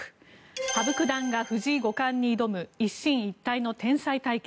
羽生九段が藤井五冠に挑む一進一退の天才対決。